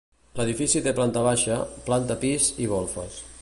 L'edifici té planta baixa, planta pis i golfes.